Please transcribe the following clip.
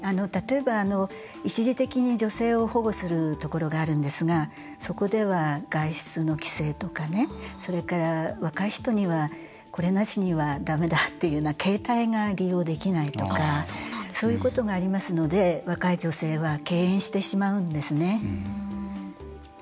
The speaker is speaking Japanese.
例えば、一時的に女性を保護するところがあるんですがそこでは、外出の規制とかそれから、若い人にはこれなしにはだめだという携帯が利用できないとかそういうことがありますので若い女性は敬遠してしまうわけですね。